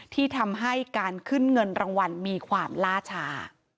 ที่ทำให้การขึ้นเงินรางวัลมีความล่าชา